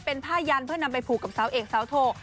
เป็นผ้ายันเพื่อนำไปผูกกับสาวเอกสาวโท